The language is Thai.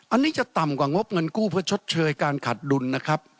อันนี้จะต่ำกว่างบเงินกู้เพื่อชดเชยการขาดดุลนะครับ